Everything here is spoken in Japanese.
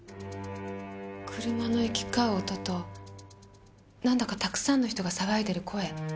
車の行き交う音となんだかたくさんの人が騒いでる声。